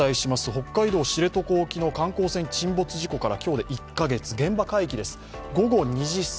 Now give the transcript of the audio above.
北海道・知床半島沖の観光船沈没事故から今日で１カ月現場海域です。